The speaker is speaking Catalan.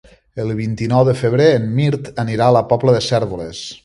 El vint-i-nou de febrer en Mirt anirà a la Pobla de Cérvoles.